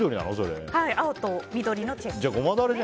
青と緑のチェックですね。